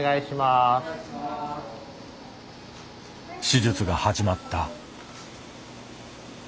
手術が始まった。